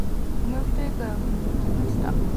花火大会を見に行きました。